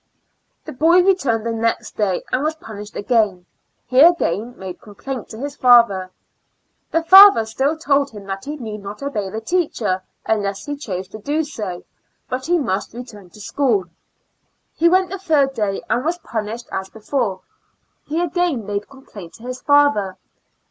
The boy returned the next da}^ and was punished again; he again made complaint 12 178 ^^'^^ Yjsams and Four Months to bis father, the father still told him that he need not obey the teacher unless he chose to do so, but must return to school, he went the third day and was punished as before, he again made complaint to his father.